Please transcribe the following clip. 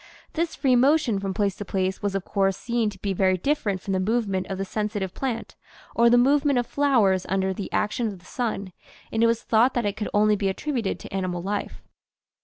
This free motion from place to place was of course seen to be very different from the movement of the sensitive plant or the movement of flowers under the action of the sun, and it was thought that it could only be attributed to animal life.